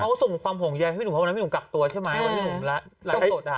เขาส่งความห่วงใยให้พี่หนุ่มเพราะวันนั้นพี่หนุ่มกักตัวใช่ไหมวันที่หนุ่มไลฟ์สดอ่ะ